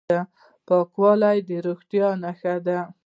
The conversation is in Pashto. پاکوالی د روغتیا نښه ده.